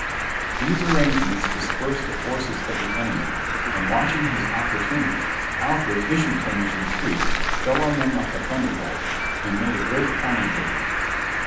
These arrangements dispersed the forces of the enemy, and watching his opportunity, Alfred issued from his retreat, fell on them like a thunderbolt, and made a great carnage of them.